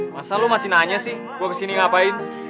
masa lo masih nanya sih gue kesini ngapain